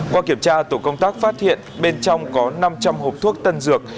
qua kiểm tra tổ công tác phát hiện bên trong có năm trăm linh hộp thuốc tân dược